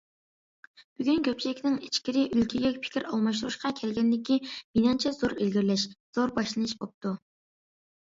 بۈگۈن كۆپچىلىكنىڭ ئىچكىرى ئۆلكىگە پىكىر ئالماشتۇرۇشقا كەلگەنلىكى مېنىڭچە زور ئىلگىرىلەش، زور باشلىنىش بوپتۇ.